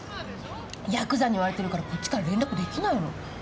ヤクザに追われてるからこっちから連絡できないの。